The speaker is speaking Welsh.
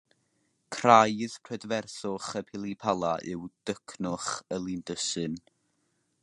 Craidd prydferthwch y pili-pala yw dycnwch y lindysyn